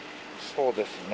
そうですね。